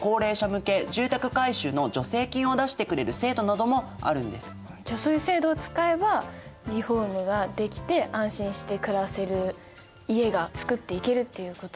実はですねじゃあそういう制度を使えばリフォームができて安心して暮らせる家がつくっていけるっていうことなんですね。